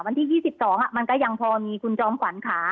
วันที่๒๒มันก็ยังพอมีคุณจอมขวัญค่ะ